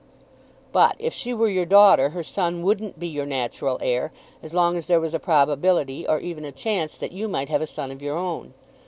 "But, if she were your daughter, her son wouldn't be your natural heir as long as there was a probability or even a chance that you might have a son of your own.